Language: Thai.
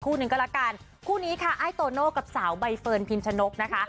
หนึ่งก็แล้วกันคู่นี้ค่ะอ้ายโตโน่กับสาวใบเฟิร์นพิมชนกนะคะ